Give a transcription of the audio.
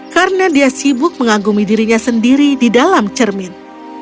karena dia sibuk mengagumi dirinya sendiri di dalam cermin